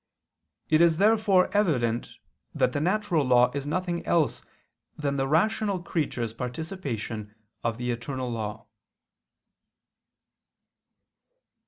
It is therefore evident that the natural law is nothing else than the rational creature's participation of the eternal law.